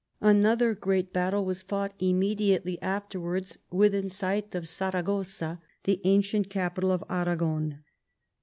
Another great battle was fought immediately after wards within sight of Saragossa, the ancient capital of Aragon.